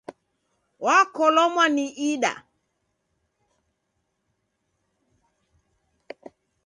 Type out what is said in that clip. Wakolomwa ni ida.